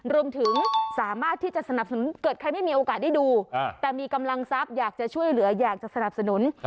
รวมถึงสามารถที่จะสนับสนุนเกิดใครไม่มีโอกาสได้ดูแต่มีกำลังทรัพย์อยากจะช่วยเหลืออยากจะสนับสนุน